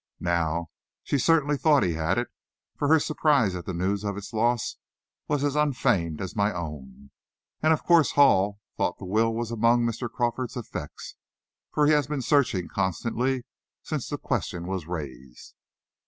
Now, she certainly thought he had it, for her surprise at the news of its loss was as unfeigned as my own. And of course Hall thought the will was among Mr. Crawford's effects, for he has been searching constantly since the question was raised."